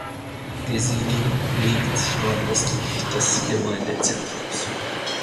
Die Siedlung liegt nordwestlich des Gemeindezentrums.